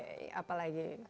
oke apa lagi